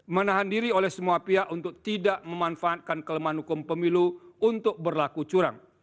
menahan diri oleh semua pihak untuk tidak memanfaatkan kelemahan hukum pemilu untuk berlaku curang